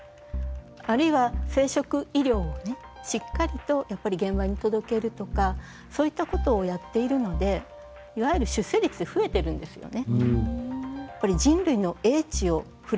あるいは生殖医療をねしっかりとやっぱり現場に届けるとかそういったことをやっているのでいわゆる出生率って増えてるんですよね。